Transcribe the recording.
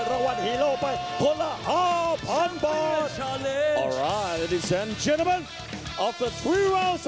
ตอนต่อไปไทยแลนด์หรือลาวส์